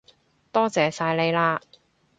多謝晒你喇